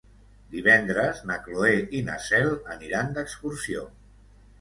Divendres na Cloè i na Cel aniran d'excursió.